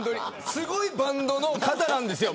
すごいバンドの方なんですよ。